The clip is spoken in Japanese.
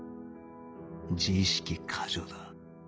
自意識過剰だ